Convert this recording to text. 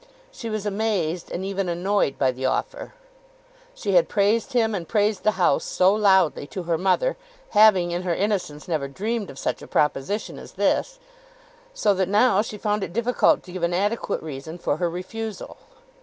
She was amazed, and even annoyed by the offer. She had praised him and praised the house so loudly to her mother, having in her innocence never dreamed of such a proposition as this, so that now she found it difficult to give an adequate reason for her refusal.